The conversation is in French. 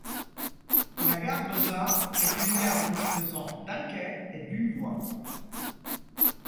La gare d'Osa est une gare disposant d'un quai et d'une voie.